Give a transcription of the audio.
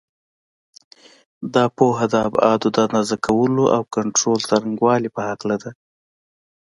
دا پوهه د ابعادو د اندازه کولو او کنټرول څرنګوالي په هکله ده.